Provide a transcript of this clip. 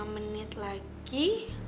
lima menit lagi